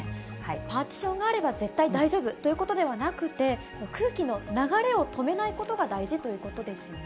パーティションがあれば、絶対大丈夫ということではなくて、空気の流れを止めないことが大事ということですよね。